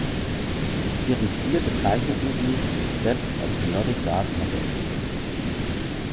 Ihren Stil bezeichneten sie selbst als „Melodic Dark Metal“.